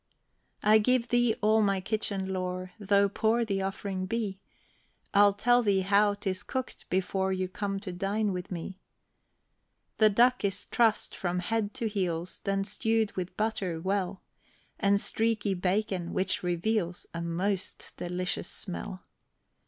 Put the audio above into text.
I give thee all my kitchen lore, Though poor the offering be; I'll tell thee how 'tis cooked, before You come to dine with me. The duck is truss'd from head to heels, Then stew'd with butter well, And streaky bacon, which reveals A most delicious smell.